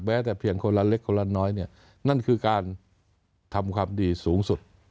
แต่เพียงคนละเล็กคนละน้อยเนี่ยนั่นคือการทำความดีสูงสุด